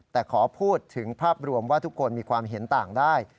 แต่ขอพูดถึงภาพรวมว่าทุกคนมีความเห็นต่างได้